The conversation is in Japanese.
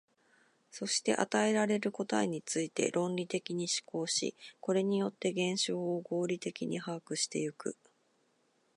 そして与えられる答えについて論理的に思考し、これによって現象を合理的に把握してゆく。